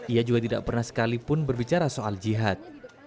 ia juga tidak pernah sekalipun berbicara soal jihad